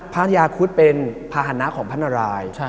พระยาครุฑเป็นภาหณะของพระนารายย์